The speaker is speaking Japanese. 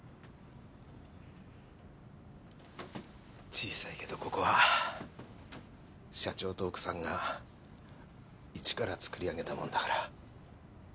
小さいけどここは社長と奥さんが一から作り上げたもんだから。